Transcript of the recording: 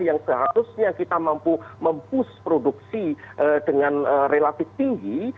yang seharusnya kita mampu mempush produksi dengan relatif tinggi